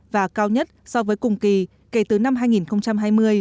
và cao nhất so với cùng kỳ kể từ năm hai nghìn hai mươi